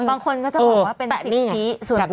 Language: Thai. บางคนก็จะบอกว่าเป็นสิทธิส่วนบุคคล